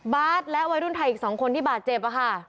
บาร์ดและวัยรุ่นไทยอีกสองคนที่บาดเจ็บอะค่ะ